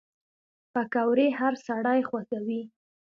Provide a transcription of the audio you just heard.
پکورې هر سړی خوښوي